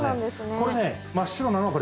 これね真っ白なのが。